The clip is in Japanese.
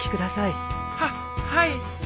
はっはい